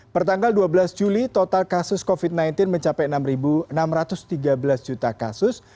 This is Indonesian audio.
pertanggal dua belas juli total kasus covid sembilan belas mencapai enam enam ratus tiga belas juta kasus